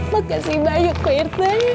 makasih banyak pak rt